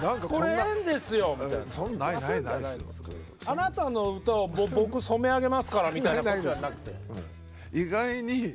あなたの歌を僕染め上げますからみたいなことじゃなくて。